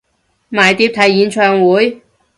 買碟睇演唱會？